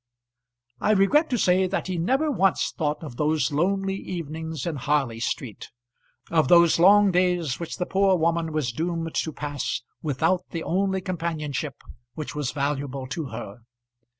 I regret to say that he never once thought of those lonely evenings in Harley Street, of those long days which the poor woman was doomed to pass without the only companionship which was valuable to her.